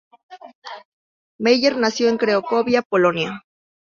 Meyer nació en Cracovia, Polonia.